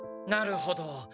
なるほど。